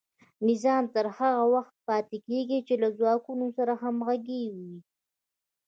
نظام تر هغه وخته پاتې کیږي چې له ځواکونو سره همغږی وي.